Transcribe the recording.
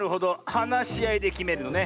はなしあいできめるのね。